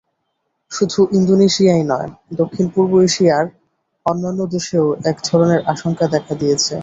শুধু ইন্দোনেশিয়াই নয়, দক্ষিণ-পূর্ব এশিয়ার অন্যান্য দেশেও একধরনের আশঙ্কা দেখা দিয়েছে।